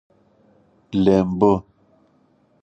🍋 لېمو